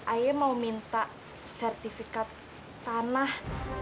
ayah mau minta sertifikat tanah